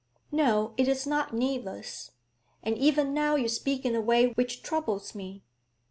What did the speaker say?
'No, it is not needless; and even now you speak in a way which troubles me.